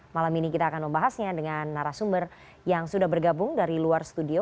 malam ini kita akan membahasnya dengan narasumber yang sudah bergabung dari luar studio